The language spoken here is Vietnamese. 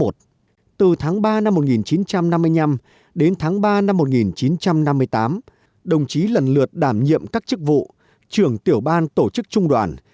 từ tháng ba năm một nghìn chín trăm năm mươi năm đến tháng ba năm một nghìn chín trăm năm mươi tám đồng chí lần lượt đảm nhiệm các chức vụ trưởng tiểu ban tổ chức trung đoàn